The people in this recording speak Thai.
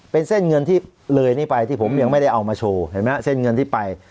เป็นเส้นเงินที่เลยนี่ไปที่ผมยังไม่ได้เอามาโชว์เห็นไหมเส้นเงินที่ไป